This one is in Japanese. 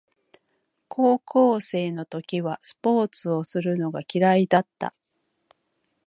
高校生の時はスポーツをするのが嫌いだった